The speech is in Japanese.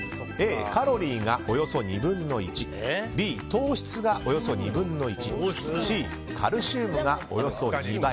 Ａ、カロリーがおよそ２分の１Ｂ、糖質がおよそ２分の１Ｃ、カルシウムがおよそ２倍。